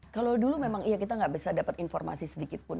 kalau dulu memang iya kita nggak bisa dapat informasi sedikitpun